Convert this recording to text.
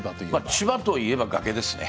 千葉といえば崖ですね。